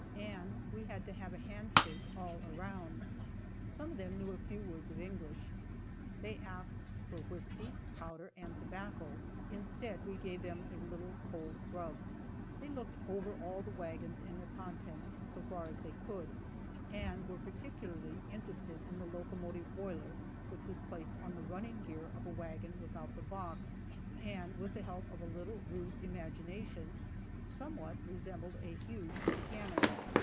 and we had to have a handshake all around. Some of them knew a few words of English. They asked for whisky, powder and tobacco. Instead, we gave some of them a little cold "grub." They looked over all the wagons and their contents, so far as they could, and were particularly interested in the locomotive boiler which was placed on the running gear of a wagon without the box, and with the help of a little rude imagination, somewhat resembled a huge cannon.